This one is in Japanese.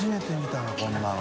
こんなの。